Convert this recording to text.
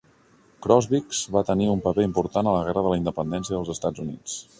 Crosswicks va tenir un paper important a la Guerra de la Independència dels Estats Units.